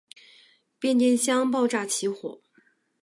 变电箱爆炸起火。